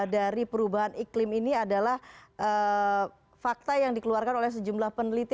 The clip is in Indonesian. dari perubahan iklim ini adalah fakta yang dikeluarkan oleh sejumlah peneliti